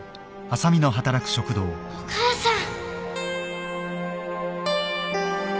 お母さん！